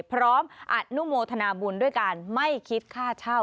พร้อมอนุโมทนาบุญด้วยการไม่คิดค่าเช่า